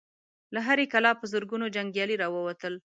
له هرې کلا په زرګونو جنګيالي را ووتل.